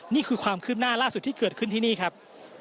นี่คือความคืบหน้าล่าสุดที่เกิดขึ้นที่นี่ครับ